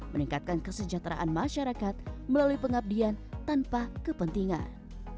meningkatkan kesejahteraan masyarakat melalui pengabdian tanpa kepentingan